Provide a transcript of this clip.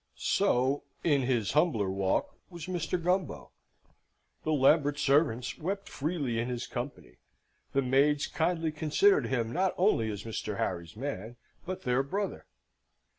So, in his humbler walk, was Mr. Gumbo. The Lambert servants wept freely in his company; the maids kindly considered him not only as Mr. Harry's man, but their brother.